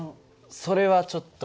それはちょっと。